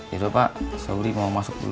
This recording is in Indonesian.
ya sudah pak sauri mau masuk dulu